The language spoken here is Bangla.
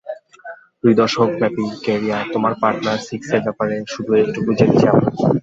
দুই দশকব্যাপী ক্যারিয়ারে, তোমার পার্টনার সিক্সের ব্যাপারে শুধু এতটুকু জেনেছি আমরা।